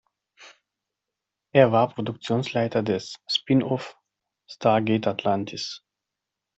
Er war Produktionsleiter des Spinoff „Stargate Atlantis“.